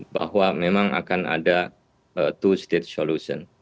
bahwa memang akan ada two state solution